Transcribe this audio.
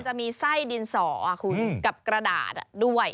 มันจะมีไส้ดินสอกับกระดาษด้วย